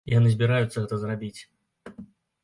І яны збіраюцца гэта зрабіць.